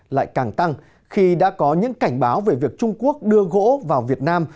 lại càng tăng khi đã có những cảnh báo về việc trung quốc đưa gỗ vào việt nam